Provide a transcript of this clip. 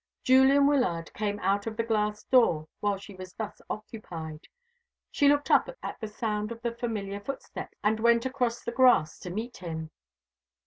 Julian Wyllard came out of the glass door while she was thus occupied. She looked up at the sound of the familiar footsteps, and went across the grass to meet him.